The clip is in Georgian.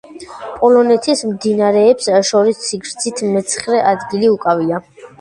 პოლონეთის მდინარეებს შორის სიგრძით მეცხრე ადგილი უკავია.